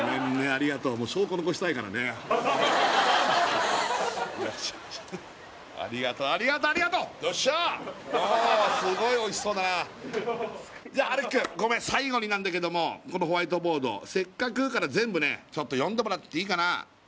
ありがとうああすごいおいしそうだなじゃあ温輝くんごめん最後になんだけどもこのホワイトボード「せっかく」から全部ねちょっと読んでもらっていいかな？